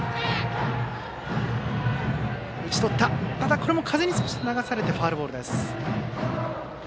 これも風に少し流されてファウルボール。